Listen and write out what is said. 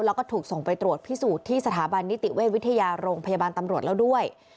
แล้วก็ถูกส่งไปตรวจพิสูจน์ที่สถาบันนิติเวชวิทยาโรงพยาบาลตำรวจแล้วด้วย